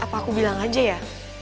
apa aku bilang aja ya